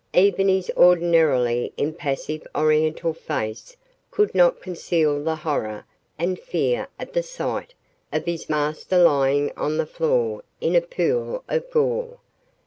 Even his ordinarily impassive Oriental face could not conceal the horror and fear at the sight of his master lying on the floor in a pool of gore.